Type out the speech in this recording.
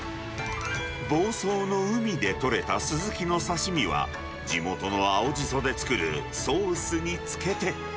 房総の海で取れたスズキの刺身は、地元の青じそで作るソースにつけて。